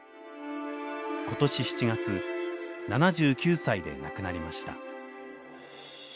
今年７月７９歳で亡くなりました。